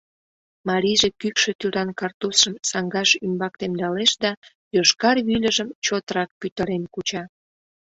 Марийже кӱкшӧ тӱран картузшым саҥгаж ӱмбак темдалеш да йошкар вӱльыжым чотрак пӱтырен куча.